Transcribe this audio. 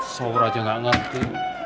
shower aja gak ngerti